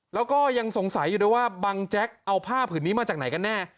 แล้วก็ยังสงสัยอยู่ด้วยว่าบังแจ๊กเอาผ้าผืนนี้มาจากไหนกันแน่